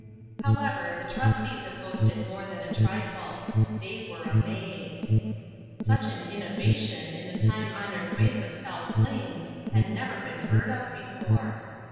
However, the trustees opposed it more than a trifle. They were amazed. Such an inno vation on the time honored ways of South Plains had never been heard of before.